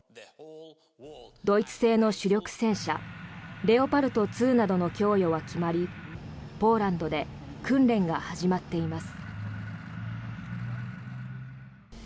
ドイツ製の主力戦車レオパルト２などの供与は決まりポーランドで訓練が始まっています。